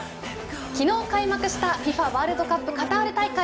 昨日、開幕したＦＩＦＡワールドカップカタール大会。